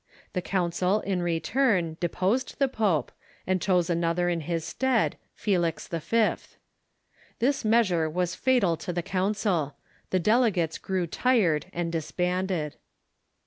The council, in return, deposed the jiope, and chose another in his stead, Felix V. This measure was fatal to the council. The delegates grew tired and disbanded.